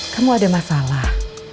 kamu ada masalah